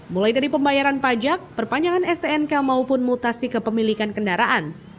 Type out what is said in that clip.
mulai dari pembayaran pajak perpanjangan stnk maupun mutasi kepemilikan kendaraan